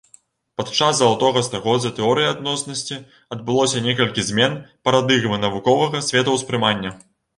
Падчас залатога стагоддзя тэорыі адноснасці адбылося некалькі змен парадыгмы навуковага светаўспрымання.